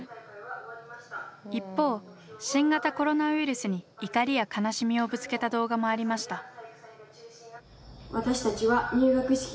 一方新型コロナウイルスに怒りや悲しみをぶつけた動画もありました。